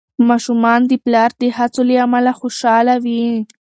ماشومان د پلار د هڅو له امله خوشحال وي.